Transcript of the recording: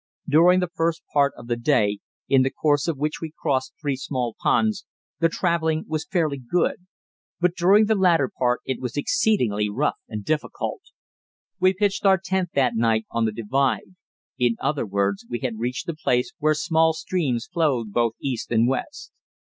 During the first part of the day, in the course of which we crossed three small ponds, the travelling was fairly good; but during the latter part it was exceedingly rough and difficult. We pitched our tent that night on the divide; in other words, we had reached the place where small streams flowed both east and west.